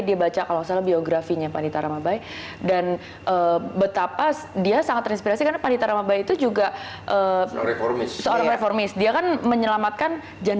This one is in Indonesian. dia baca kalau salah biografinya panita ramabai dan betapa dia sangat terinspirasi karena panita ramabai itu juga seorang reformis dia kan menyelamatkan